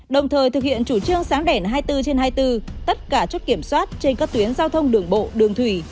đồng thời thực hiện chủ trương sáng đẻn hai mươi bốn trên hai mươi bốn tất cả chốt kiểm soát trên các tuyến giao thông đường bộ đường thủy